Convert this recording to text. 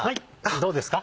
どうですか？